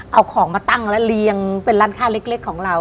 เอาของมาตั้งและเรียงเป็นร้านค้าเล็กของเรา